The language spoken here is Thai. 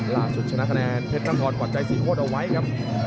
ล่าสุดชนะคะแนนเพชรทางรหวัดใจสี่โคตรเอาไว้ครับ